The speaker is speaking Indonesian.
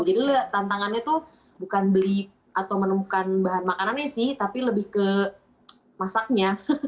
jadi tantangannya tuh bukan beli atau menemukan bahan makanannya sih tapi lebih ke masaknya